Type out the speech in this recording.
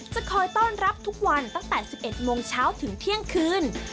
จะคอยต้อนรับทุกวันตั้งแต่๑๑โมงเช้าถึงเที่ยงคืน